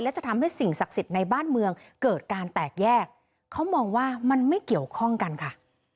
และจะทำให้สิ่งศักดิ์สิทธิ์ในบ้านเมืองเกิดการแตกแยกเขามองว่ามันไม่เกี่ยวข้องกันค่ะ